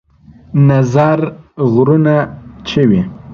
نظر غرونه چوي